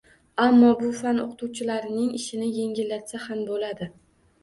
Ammo bu fan o‘qituvchilarining ishini yengillatsa ham bo‘ladi.